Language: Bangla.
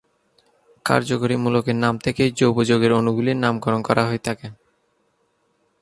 কার্যকরী মূলকের নাম থেকেই জৈব যৌগের অণুগুলির নামকরণ করা হয়ে থাকে।